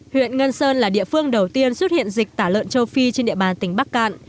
huyện ngân sơn là địa phương đầu tiên xuất hiện dịch tả lợn châu phi trên địa bàn tỉnh bắc cạn